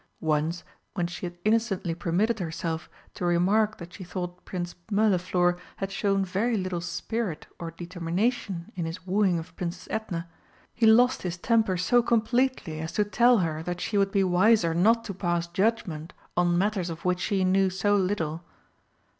Once, when she had innocently permitted herself to remark that she thought Prince Mirliflor had shown very little spirit or determination in his wooing of Princess Edna, he lost his temper so completely as to tell her that she would be wiser not to pass judgment on matters of which she knew so little.